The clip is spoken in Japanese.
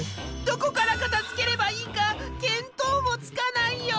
どこから片づければいいか見当もつかないよ。